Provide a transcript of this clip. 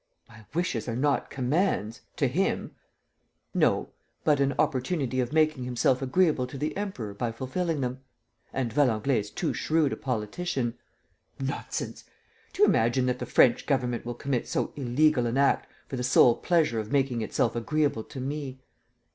"My wishes are not commands ... to him!" "No ... but an opportunity of making himself agreeable to the Emperor by fulfilling them. And Valenglay is too shrewd a politician. ..." "Nonsense! Do you imagine that the French government will commit so illegal an act for the sole pleasure of making itself agreeable to me?"